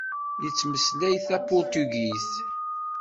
Yettmeslay tapuṛtugit.